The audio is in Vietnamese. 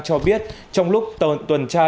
cho biết trong lúc tuần tra